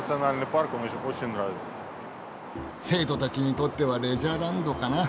生徒たちにとってはレジャーランドかな。